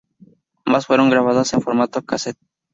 Ambas fueron grabadas en formato cassette.